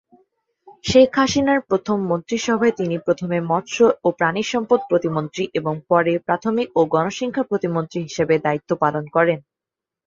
শেখ হাসিনার প্রথম মন্ত্রিসভায় তিনি প্রথমে মৎস্য ও প্রাণিসম্পদ প্রতিমন্ত্রী এবং পরে প্রাথমিক ও গণশিক্ষা প্রতিমন্ত্রী হিসেবে দায়িত্ব পালন করেন।